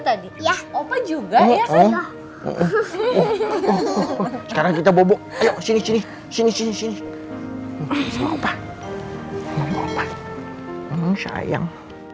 tadi ya opo juga ya oh sekarang kita bobok sini sini sini sini sini ini sayang